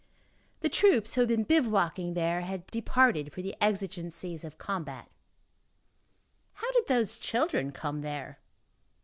The troops who had been bivouacking there had departed for the exigencies of combat. How did those children come there?